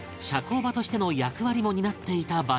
社交場としての役割も担っていた場所だが